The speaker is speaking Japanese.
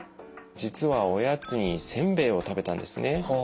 実はおやつにせんべいを食べたんですね。